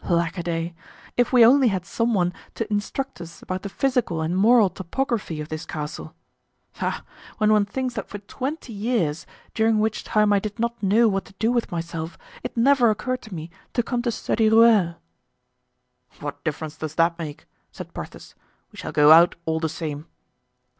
Lack a day! if we only had some one to instruct us about the physical and moral topography of this castle. Ah! when one thinks that for twenty years, during which time I did not know what to do with myself, it never occurred to me to come to study Rueil." "What difference does that make?" said Porthos. "We shall go out all the same."